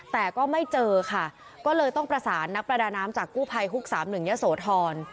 แต่ก็ไม่เจอค่ะก็เลยต้องประสานนักประดาน้ำจากกู้ภัยฮุก๓๑ยะโสธร